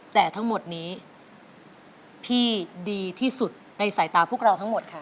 แต่ทั้งหมดนี้พี่ดีที่สุดในสายตาพวกเราทั้งหมดค่ะ